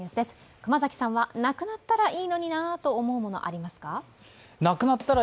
熊崎さんはなくなったらいいものなと思うものありますか？